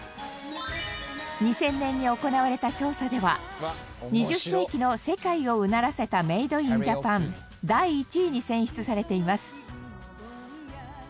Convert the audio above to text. ２０００年に行われた調査では２０世紀の世界をうならせたメイド・イン・ジャパン第１位に選出されています。